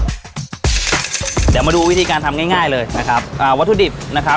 เดี๋ยวมาดูวิธีการทำง่ายง่ายเลยนะครับอ่าวัตถุดิบนะครับ